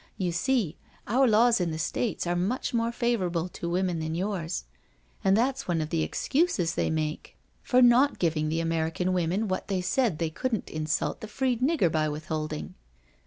You see, our laws in the States are much more favourable to women than yourS| and that's one of the excuses they make for no NO SURRENDER not giving the American women what they said they couldn't insult the freed nigger by withholding.